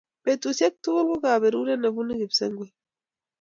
betusiek tugul ko kabaruret nebunu kipsenget